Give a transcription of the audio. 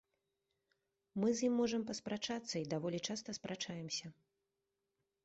Мы з ім можам паспрачацца, і даволі часта спрачаемся.